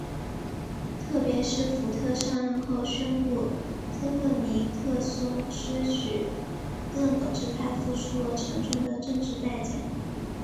特别是福特上任后宣布特赦尼克松之举更导致他付出了沉重的政治代价。